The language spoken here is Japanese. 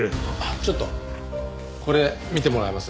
ちょっとこれ見てもらえます？